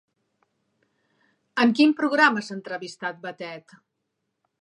En quin programa s'ha entrevistat Batet?